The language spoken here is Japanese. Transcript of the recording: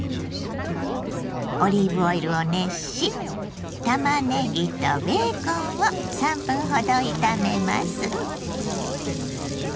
オリーブオイルを熱したまねぎとベーコンを３分ほど炒めます。